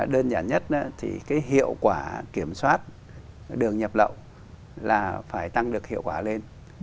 đơn giản nhất thì cái hiệu quả kiểm soát đường nhập lậu là phải tăng được hiệu quả lên